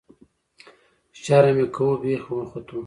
ـ شرم مې کوو بېخ مې وختو.